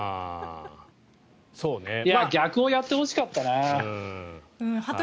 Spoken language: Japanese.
逆をやってほしかったな。